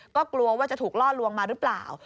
ก็กลัวว่าจะถูกล่อลวงมาหรือเปล่า